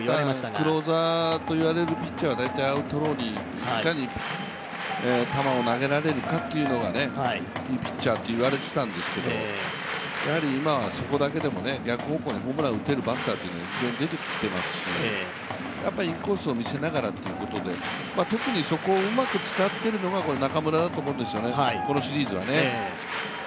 クローザーといわれるピッチャーは、大体アウトローにいかに球を投げらられるかというのがいいピッチャーと言われてたんですけど、今はそこだけでも逆方向にホームランを打てるバッターが出てきていますしインコースを見せながらってことで特にそこをうまく使っているのが中村だと思うんですね、このシリーズはね。